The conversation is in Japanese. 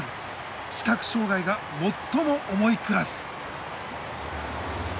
視覚障害が最も重いクラス。